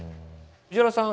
藤原さん